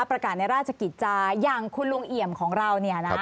ประกาศในราชกิจจาอย่างคุณลุงเอี่ยมของเราเนี่ยนะ